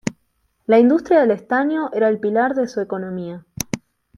La industria del estaño era el pilar de su economía.